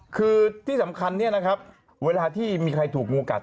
คือที่สำคัญเนี่ยนะครับเวลาที่มีใครถูกงูกัด